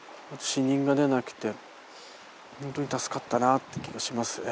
あと死人が出なくてほんとに助かったなって気がします。